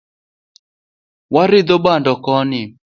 Waridho bando koni